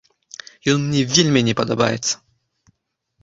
Ён мне вельмі не падабаецца.